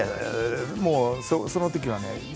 もうそのときはね